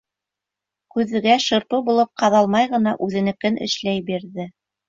Күҙгә шырпы булып ҡаҙалмай ғына, үҙенекен эшләй бирҙе.